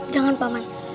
jangan pak man